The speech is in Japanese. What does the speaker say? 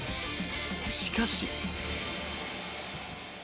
しかし。